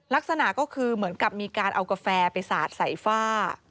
ลักษณะก็คือเหมือนกับมีการเอากาแฟไปสาดใส่ฝ้า